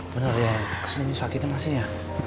benar ya kesini sakitnya masih ya